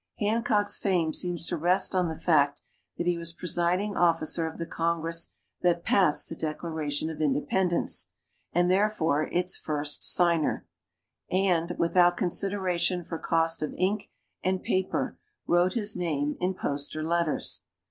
Hancock's fame seems to rest on the fact that he was presiding officer of the Congress that passed the Declaration of Independence, and therefore its first signer, and, without consideration for cost of ink and paper, wrote his name in poster letters.